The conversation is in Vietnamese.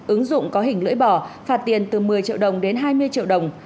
ứng dụng có hình lưỡi bỏ phạt tiền từ một mươi triệu đồng đến hai mươi triệu đồng